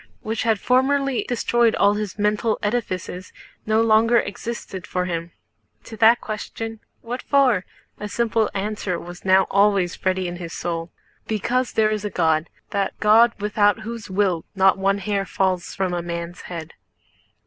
which had formerly destroyed all his mental edifices, no longer existed for him. To that question, "What for?" a simple answer was now always ready in his soul: "Because there is a God, that God without whose will not one hair falls from a man's head."